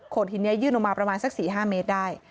หินนี้ยื่นออกมาประมาณสัก๔๕เมตรได้